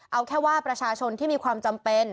เอาแค่ว่าประชาชนที่มีความจำเป็น